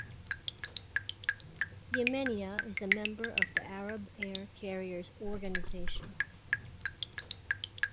Yemenia is a member of the Arab Air Carriers Organization.